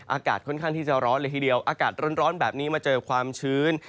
อากาศค่อนข้างที่จะร้อนเลยทีเดียวอากาศร้อนแบบนี้มาเจอความชื้น